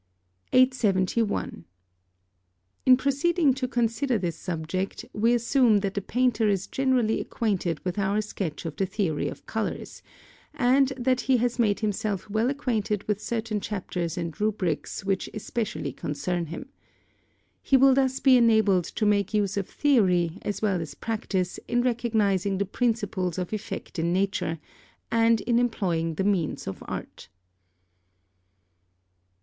871. In proceeding to consider this subject, we assume that the painter is generally acquainted with our sketch of the theory of colours, and that he has made himself well acquainted with certain chapters and rubrics which especially concern him. He will thus be enabled to make use of theory as well as practice in recognising the principles of effect in nature, and in employing the means of art.